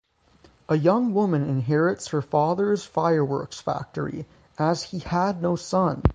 A young woman inherits her father's fireworks factory, as he had no son.